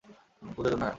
পুজার জন্য, - হ্যাঁঁ।